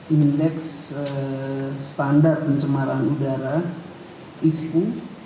indeks standar pencemaran udara ispu